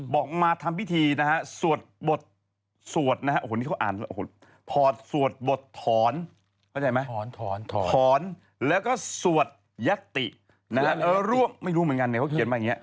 บอกมาทำพิธีสวดบดสวดพอดสวดบดถอนแล้วก็สวดยะติ